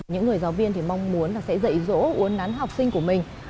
những người giáo viên thì mong muốn là sẽ dạy dỗ uốn nắn học sinh của mình